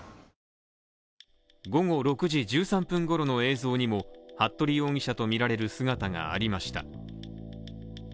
午後６時１３分ごろの映像にも、服部容疑者とみられる姿がありました。